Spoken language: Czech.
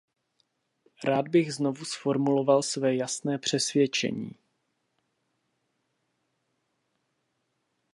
Rád bych znovu zformuloval své jasné přesvědčení.